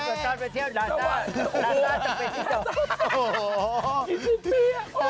เต็มตอนไปเที่ยวราชาราชาจะไปที่โดย